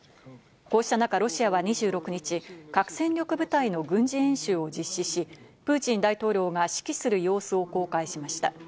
こうした中、ロシアは２６日、核戦力部隊の軍事演習を実施し、プーチン大統領が指揮する様子を公開しました。